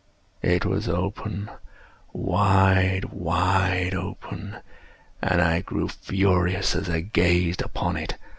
It was open—wide, wide open—and I grew furious as I gazed upon it.